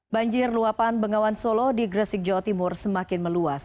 banjir luapan bengawan solo di gresik jawa timur semakin meluas